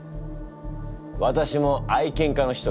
わたしも愛犬家の一人。